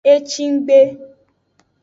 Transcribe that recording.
Ecinggbe.